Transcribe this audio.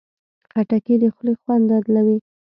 خټکی د خولې خوند بدلوي.